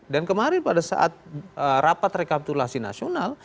dan kemarin pada saat rapat rekapitulasi nasional